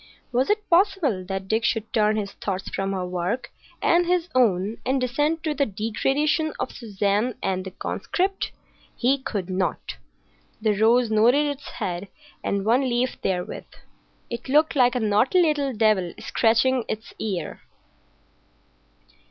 Was it possible that Dick should turn his thoughts from her work and his own and descend to the degradation of Suzanne and the conscript? He could not! The rose nodded its head and one leaf therewith. It looked like a naughty little devil scratching its ear.